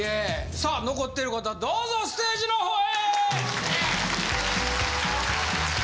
さあ残ってる方どうぞステージの方へ！